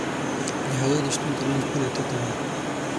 د هغه د شتون تر منځ پوله تته وي.